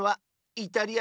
イタリア？